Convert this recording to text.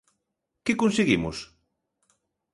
Que conseguimos?